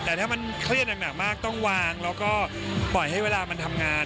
แต่ถ้ามันเครียดหนักมากต้องวางแล้วก็ปล่อยให้เวลามันทำงาน